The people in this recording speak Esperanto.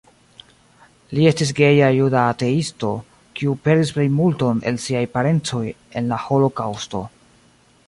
Li estis geja juda ateisto, kiu perdis plejmulton el siaj parencoj en la Holokaŭsto.